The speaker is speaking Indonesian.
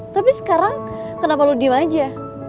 tapi sekarang kenapa lo diem aja